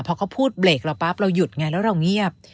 พอเขาพูดเบรกเราปั๊บเราหยุดไงแล้วเราเงียบ